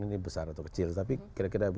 ini besar atau kecil tapi kira kira